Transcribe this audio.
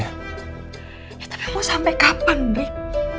ya tapi mau sampe kapan rick